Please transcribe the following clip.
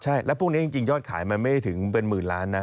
ใช่แล้วพวกนี้จริงยอดขายมันไม่ได้ถึงเป็นหมื่นล้านนะ